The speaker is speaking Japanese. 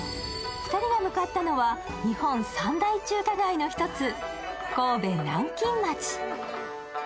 ２人が向かったのは日本三大中華街の一つ、神戸南京町。